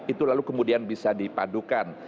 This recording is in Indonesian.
itu lalu kemudian bisa dipadukan